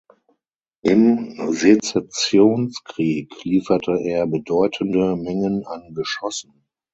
Im Sezessionskrieg lieferte er bedeutende Mengen an Geschossen.